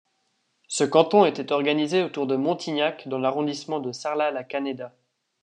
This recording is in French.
Ce canton était organisé autour de Montignac dans l'arrondissement de Sarlat-la-Canéda.